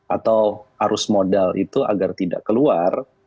atau arus modal itu agar tidak keluar